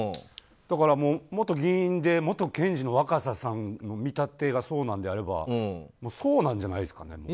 元議員で元検事の若狭さんの見立てがそうなのであればもう、そうなんじゃないですかね。